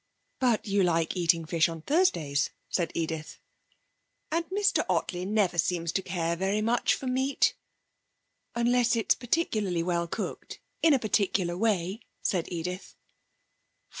'But you like eating fish on Thursdays,' said Edith. 'And Mr Ottley never seems to care very much for meat.' 'Unless it's particularly well cooked in a particular way,' said Edith.